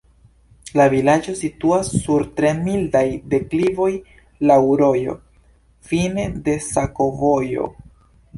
La vilaĝo situas sur tre mildaj deklivoj, laŭ rojo, fine de sakovojo.